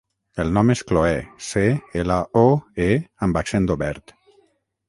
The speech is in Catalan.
El nom és Cloè: ce, ela, o, e amb accent obert.